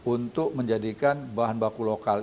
untuk menjadikan bahan baku lokal